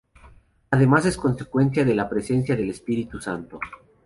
Además es consecuencia de la presencia del Espíritu Santo.